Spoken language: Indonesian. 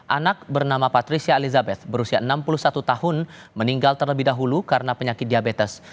anak bernama patricia elizabeth berusia enam puluh satu tahun meninggal terlebih dahulu karena penyakit diabetes